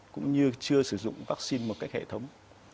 cũng như chưa sử dụng vaccine một cách hệ thống